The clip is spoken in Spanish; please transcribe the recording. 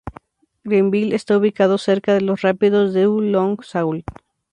Grenville está ubicado cerca los rápidos du Long Sault.